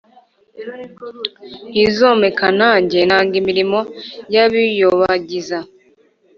Ntizomekana nanjye nanga imirimo y’abiyobagiza